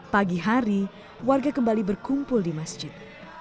pagi hari warga kembali berkumpul di masjid